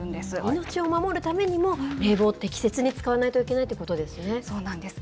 命を守るためにも、冷房を適切に使わないといけないというこそうなんです。